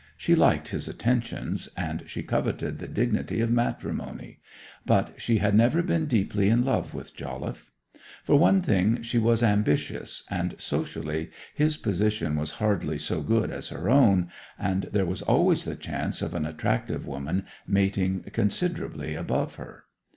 She liked his attentions, and she coveted the dignity of matrimony; but she had never been deeply in love with Jolliffe. For one thing, she was ambitious, and socially his position was hardly so good as her own, and there was always the chance of an attractive woman mating considerably above her.